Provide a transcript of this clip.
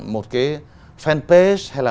một cái fanpage hay là